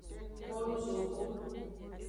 Molu zogbon.